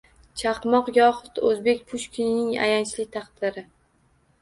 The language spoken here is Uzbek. Chaqmoq yoxud o‘zbek Pushkinining ayanchli taqdiri